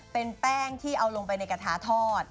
เป็นแป้งที่เอาลงไปในกระทะทอด